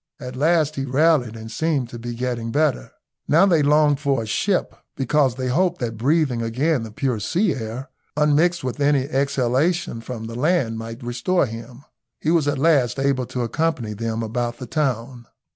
At last he rallied, and seemed to be getting better. Now they longed for a ship, because they hoped that breathing again the pure sea air, unmixed with any exhalation from the land, might restore him. He was at last able to accompany them about the town.